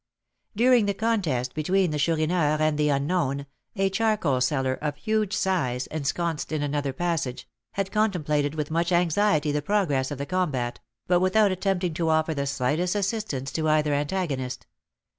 During the contest between the Chourineur and the unknown, a charcoal seller, of huge size, ensconced in another passage, had contemplated with much anxiety the progress of the combat, but without attempting to offer the slightest assistance to either antagonist.